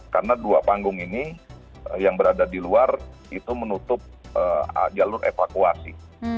karena dua panggung ini yang berada di luar itu menutup jalur evakuasi